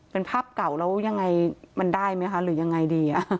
เป็นภาพเก่าแล้วยังไงมันได้ไหมคะหรือยังไงดี